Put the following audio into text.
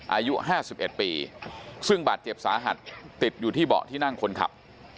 อายุ๕๑ปีซึ่งบาดเจ็บสาหัสติดอยู่ที่เบาะที่นั่งคนขับ